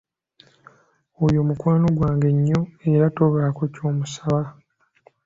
Oyo mukwano gwange nnyo era tobaako ky'omusaba.